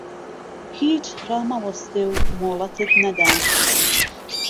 هیچ ڕامهوەستێ و مۆلهتت نهدا